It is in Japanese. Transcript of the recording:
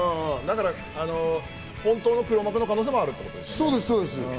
本当の黒幕の可能性もあるってことですね。